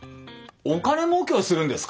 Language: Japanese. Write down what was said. お金もうけをするんですか？